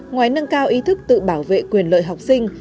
ngoài nâng cao ý thức tự bảo vệ quyền lợi học sinh